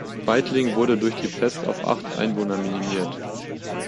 Weidling wurde durch die Pest auf acht Einwohner minimiert.